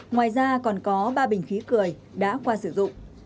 ngoài ra còn có ba bình khí cười đã qua sử dụng